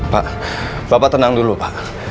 pak bapak tenang dulu pak